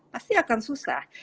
pasti akan susah